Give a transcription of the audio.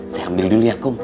saya ambil dulu ya kum